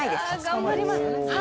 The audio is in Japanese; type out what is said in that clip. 頑張ります。